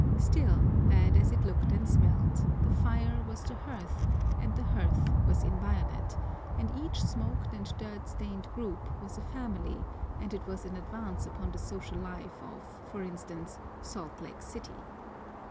Still, bad as it looked and smelt, the fire was the hearth, and the hearth was inviolate, and each smoked and dirt stained group was a family, and it was an advance upon the social life of, for instance, Salt Lake City.